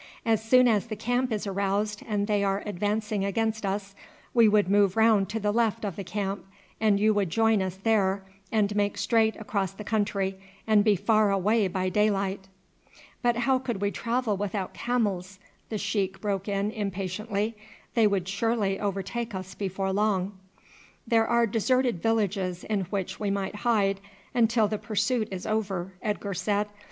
As soon as the camp is aroused and they are advancing against us we would move round to the left of the camp, and you would join us there and make straight across the country and be far away by daylight." "But how could we travel without camels?" the sheik broke in impatiently; "they would surely overtake us before long." "There are deserted villages in which we might hide until the pursuit is over," Edgar said.